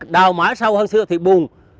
đầu mãi sâu hơn xưa thì buồn